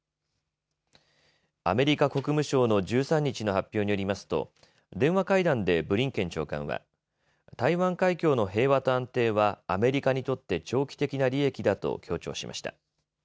アメリカ国務省の１３日の発表によりますと電話会談でブリンケン長官は台湾海峡の平和と安定はアメリカにとって長期的な利益だと強調しました。